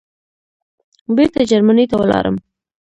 بېرته جرمني ته ولاړم.